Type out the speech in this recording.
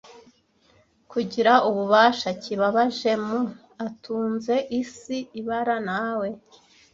Kugira ububasha kibabaje, mu atunze isi ibara nawe